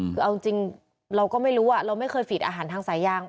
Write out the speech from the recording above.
คือเอาจริงเราก็ไม่รู้เราไม่เคยฝีดอาหารทางสายยาง